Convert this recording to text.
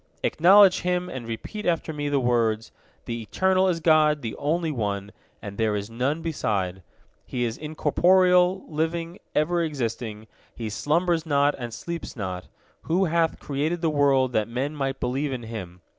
Acknowledge Him, and repeat after me the words: The Eternal is God, the Only One, and there is none beside; He is incorporeal, living, ever existing; He slumbers not and sleeps not, who hath created the world that men might believe in Him.